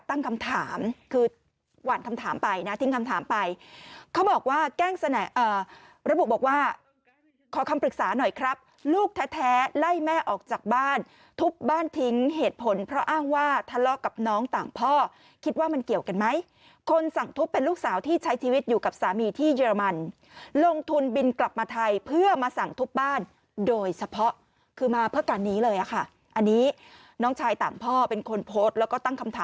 ตั้งคำถามคือหวั่นคำถามไปนะทิ้งคำถามไปเขาบอกว่าแกล้งสนามระบุบอกว่าขอคำปรึกษาหน่อยครับลูกแท้ไล่แม่ออกจากบ้านทุบบ้านทิ้งเหตุผลเพราะอ้างว่าทะเลาะกับน้องต่างพ่อคิดว่ามันเกี่ยวกันไหมคนสั่งทุบเป็นลูกสาวที่ใช้ชีวิตอยู่กับสามีที่เยอรมันลงทุนบินกลับมาไทยเพื่อมาสั่งทุบบ้านโด